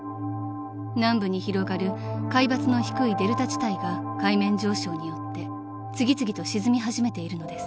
［南部に広がる海抜の低いデルタ地帯が海面上昇によって次々と沈み始めているのです］